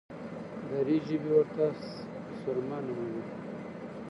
دري ژبي ورته سرمه نوموي.